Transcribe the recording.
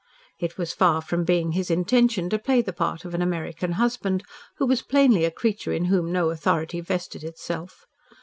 It was far from being his intention to play the part of an American husband, who was plainly a creature in whom no authority vested itself.